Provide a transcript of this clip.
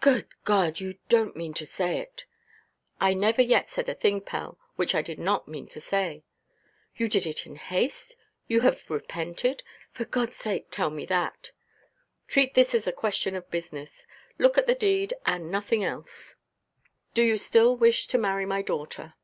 "Good God! You donʼt mean to say it?" "I never yet said a thing, Pell, which I did not mean to say." "You did it in haste? You have repented? For Godʼs sake, tell me that." "Treat this as a question of business. Look at the deed and nothing else. Do you still wish to marry my daughter?"